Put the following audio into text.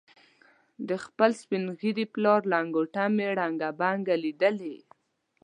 د خپل سپین ږیري پلار لنګوټه مې ړنګه بنګه لیدلې.